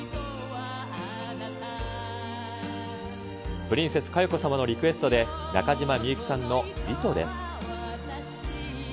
プリンセス佳代子様のリクエストで、中島みゆきさんの糸です。